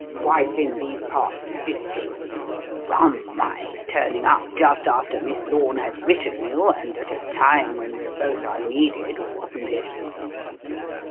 Wife in these parts visiting. Rum, my turning up just after Miss Lorne had written you and at a time when we both are needed, wasn't it?"